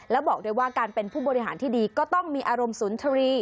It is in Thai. แล้วบอกด้วยว่าการเป็นผู้บริหารที่ดีก็ต้องมีอารมณ์สุนทรี